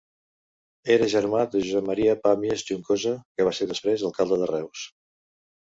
Era germà de Josep Maria Pàmies Juncosa, que va ser després alcalde de Reus.